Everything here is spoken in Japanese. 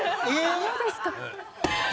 どうですか？